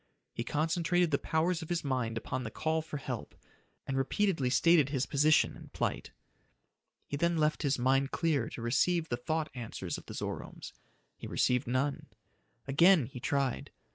He concentrated the powers of his mind upon the call for help, and repeatedly stated his position and plight. He then left his mind clear to receive the thought answers of the Zoromes. He received none. Again he tried.